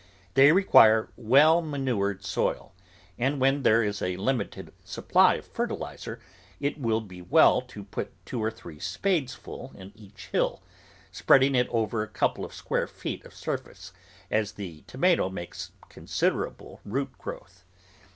They require well manured soil, and when there is a limited supply of fertiliser, it will be well to put two or three spadefuls in each hill, spread ing it over a couple of square feet of surface, as the tomato makes considerable root growth.